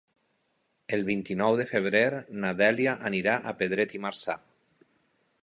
El vint-i-nou de febrer na Dèlia anirà a Pedret i Marzà.